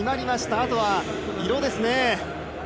あとは色ですね。